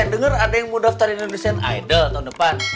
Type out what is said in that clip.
saya dengar ada yang mau daftarin indonesian idol tahun depan